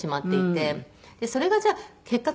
それがじゃあ結果